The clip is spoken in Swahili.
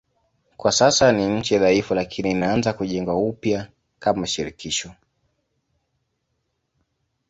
Kwa sasa ni nchi dhaifu lakini inaanza kujengwa upya kama shirikisho.